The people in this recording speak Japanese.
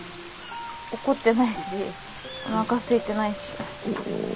怒ってないしおなかすいてないし。